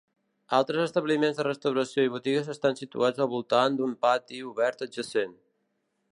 Altres establiments de restauració i botigues estan situats al voltant d’un pati obert adjacent.